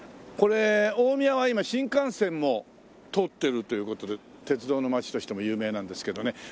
これ大宮は今新幹線も通ってるという事で鉄道の街としても有名なんですけどね。